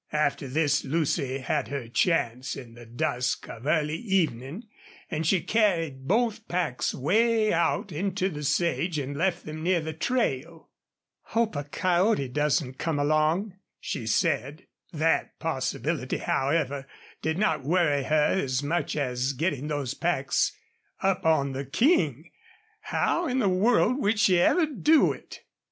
After this Lucy had her chance in the dusk of early evening, and she carried both packs way out into the sage and left them near the trail. "Hope a coyote doesn't come along," she said. That possibility, however, did not worry her as much as getting those packs up on the King. How in the world would she ever do it?